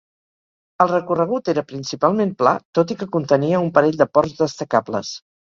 El recorregut era principalment pla, tot i que contenia un parell de ports destacables.